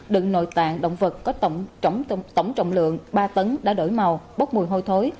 đựng nội tạng động vật có tổng trọng lượng ba tấn đã đổi màu bốc mùi hôi thối